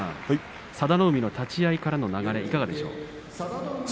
佐田の海の立ち合いからの流れいかがでしたか。